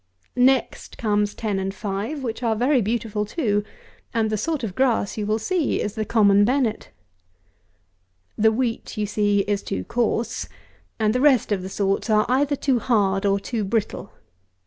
Next comes 10 and 5, which are very beautiful too; and the sort of grass, you will see, is the common Bennet. The wheat, you see, is too coarse; and the rest of the sorts are either too hard or too brittle.